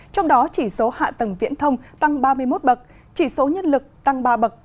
trong đó chỉ số hạ tầng viễn thông tăng ba mươi một bậc chỉ số nhân lực tăng ba bậc